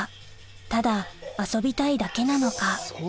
ただ遊びたいだけなのか？